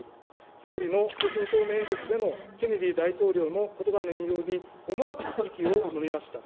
総理の所信表明演説でのケネディ大統領のことばの引用に、思わず息をのみました。